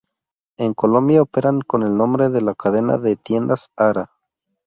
En Colombia operan con el nombre de la cadena de tiendas Ara.